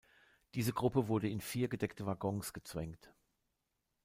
Diese Gruppe wurde in vier gedeckte Waggons gezwängt.